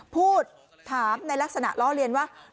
พูดถามในลักษณะล้อเลียนว่า